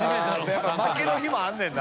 やっぱ負ける日もあるねんな。